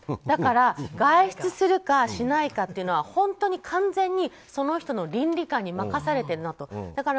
だから、外出するかしないかっていうのは本当に完全にその人の倫理観に任されていると。